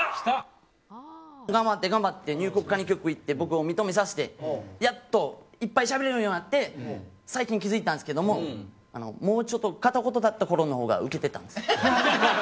頑張って頑張って入国管理局行って僕を認めさせてやっといっぱいしゃべれるようになって最近気づいたんですけどもうちょっと片言だったころのほうがウケてたんです。